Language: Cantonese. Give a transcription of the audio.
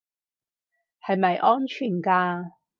係咪安全㗎